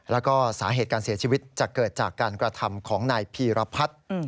แล้วก็สาเหตุการเสียชีวิตจะเกิดจากการกระทำของนายพีรพัฒน์